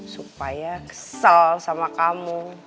supaya kesel sama kamu